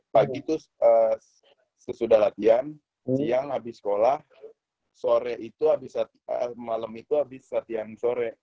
pagi tuh sesudah latihan siang abis sekolah sore itu abis malem itu abis latihan sore